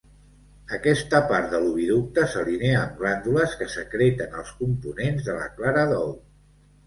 Aquesta part de l'oviducte s'alinea amb glàndules que secreten els components de la clara d'ou.